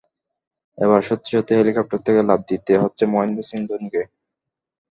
এবার সত্যি সত্যি হেলিকপ্টার থেকে লাফ দিতে হচ্ছে মহেন্দ্র সিং ধোনিকে।